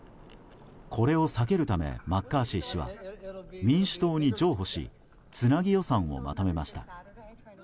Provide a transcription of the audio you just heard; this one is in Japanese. これを避けるためマッカーシー氏は民主党に譲歩しつなぎ予算をまとめました。